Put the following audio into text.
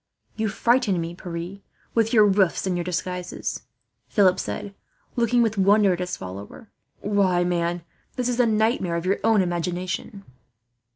"You frighten me, Pierre, with your roofs and your disguises," Philip said, looking with wonder at his follower. "Why, man, this is a nightmare of your own imagination."